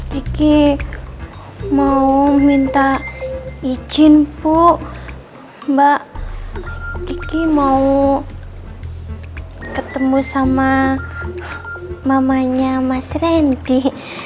diki mau minta izin bu mbak kiki mau ketemu sama mamanya mas randy